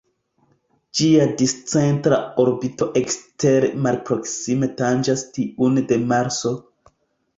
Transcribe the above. Ĝia discentra orbito ekstere malproksime tanĝas tiun de Marso.